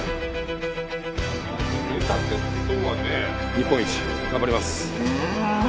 日本一頑張ります。